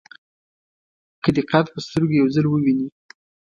که دې قد په سترګو یو ځل وویني.